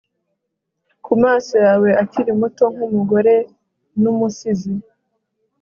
ku maso yawe akiri muto nk'umugore n'umusizi